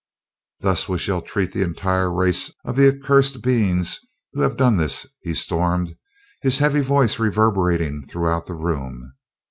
"Thus shall we treat the entire race of the accursed beings who have done this!" he stormed, his heavy voice reverberating throughout the room.